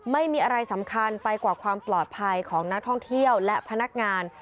ไม่มีอะไรสำคัญไปกว่าความปลอดภัยของนักท่องเที่ยวและพนักงาน